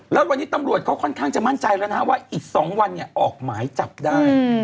แล้ววันนี้ตำรวจเขาค่อนข้างจะมั่นใจแล้วนะว่าอีก๒วันเนี่ยออกหมายจับได้